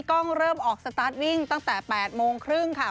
กล้องเริ่มออกสตาร์ทวิ่งตั้งแต่๘โมงครึ่งค่ะ